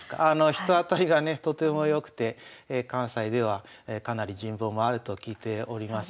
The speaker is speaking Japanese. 人当たりがねとてもよくて関西ではかなり人望もあると聞いております。